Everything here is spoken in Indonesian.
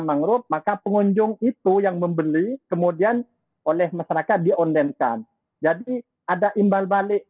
mangrove maka pengunjung itu yang membeli kemudian oleh masyarakat di ondenkan jadi ada imbal balik